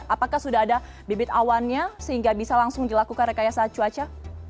apakah sudah ada bibit awannya sehingga bisa langsung dilakukan rekayasa cuaca